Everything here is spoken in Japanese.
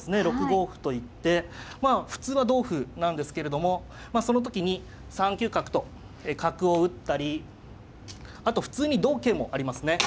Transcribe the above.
６五歩と行ってまあ普通は同歩なんですけれどもまあその時に３九角と角を打ったりあと普通に同桂もありますね。